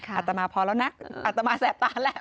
อาจจะมาพอแล้วนะอาจจะมาแสบตาแหละ